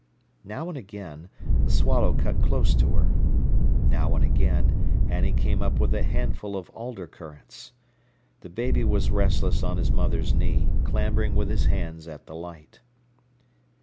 Now and again, a swallow cut close to her. Now and again, Annie came up with a handful of alder currants. The baby was restless on his mother's knee, clambering with his hands at the light.